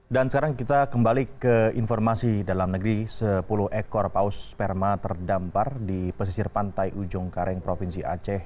dan sekarang kita kembali ke informasi dalam negeri sepuluh ekor paus sperma terdampar di pesisir pantai ujung kareng provinsi aceh